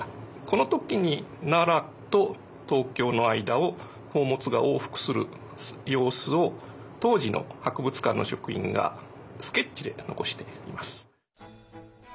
この時に奈良と東京の間を宝物が往復する様子を当時の博物館の職員がスケッチで残しています。